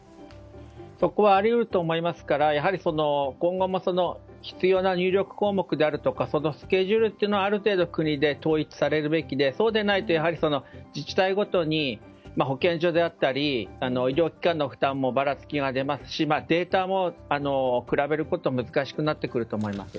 それはあり得ると思いますからやはり今後も必要な入力項目であるとかスケジュールというのはある程度国で統一されるべきでそうでないと、自治体ごとに保健所だったり医療機関の負担もばらつきが出ますしデータも比べること難しくなってくると思います。